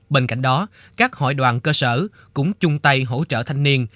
bên cạnh đó các hội đoàn cơ sở cũng chung tay hỗ trợ thanh niên